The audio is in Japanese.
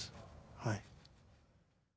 はい。